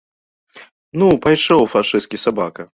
Ну, пайшоў, фашысцкі сабака!